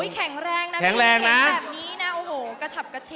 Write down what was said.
โอ้โหแข็งแรงนะแข็งแรงแบบนี้นะโอ้โหกระฉับกระเฉก